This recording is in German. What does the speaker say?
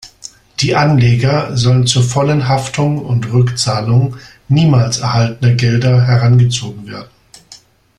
Die Anleger sollen zur vollen Haftung und Rückzahlung niemals erhaltener Gelder herangezogen werden.